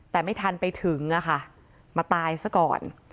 แต่ไม่ทันไปถึงอะค่ะมาตายซะก่อน